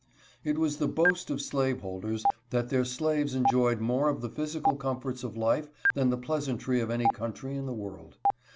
It was the boast of slaveholders that their slaves enjoyed more of the physical comforts of life than the peasantry of any country in the world.